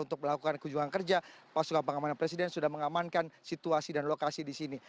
untuk melakukan kunjungan kerja pasukan pengamanan presiden sudah mengamankan situasi dan lokasi di sini